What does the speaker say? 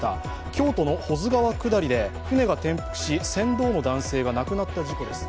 京都の保津川下りで舟が転覆し船頭の男性が亡くなった事故です。